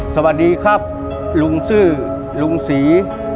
สวัสดีครับลุงซื่อลุงศรี